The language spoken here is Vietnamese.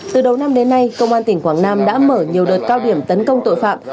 từ đầu năm đến nay công an tỉnh quảng nam đã mở nhiều đợt cao điểm tấn công tội phạm